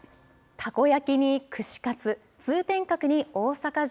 たこ焼きに串カツ、通天閣に大阪城。